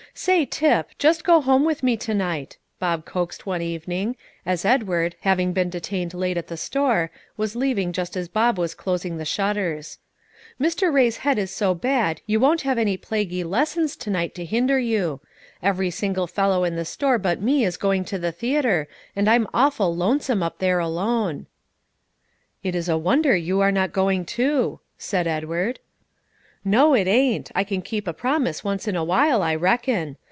"Say, Tip, just go home with me to night," Bob coaxed one evening, as Edward, having been detained late at the store, was leaving just as Bob was closing the shutters. "Mr. Ray's head is so bad you won't have any plaguy lessons to night to hinder you. Every single fellow in the store but me is going to the theatre, and I am awful lonesome up there alone." "It is a wonder you are not going too," said Edward. "No, it ain't. I can keep a promise once in a while, I reckon.